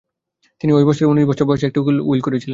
তিনি ওই বৎসরে উনিশ বৎসর বয়সে একটি উইল করেছিলেন।